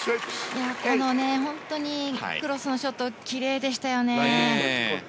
本当に、クロスのショットきれいでしたよね。